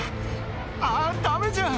あぁダメじゃん！